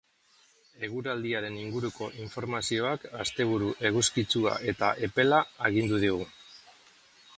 Eguraldiaren inguruko informazioak asteburu eguzkitsua eta epela agindu digu.